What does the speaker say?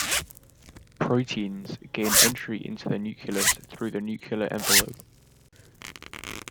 Proteins gain entry into the nucleus through the nuclear envelope.